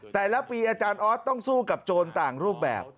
แต่ละปีอาจารย์ออสต้องสู้กับโจรต่างรูปแบบ